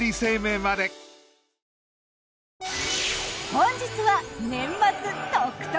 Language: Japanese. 本日は。